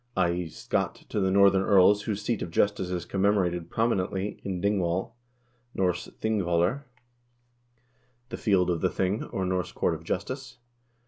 THE NORSEMEN IN SCOTLAND 241 scat to the Northern earls whose seat of justice is commemorated prominently in Dingwall, N. ping v0llr, the field of the ping or Norse court of justice.